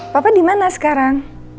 papa dimana sekarang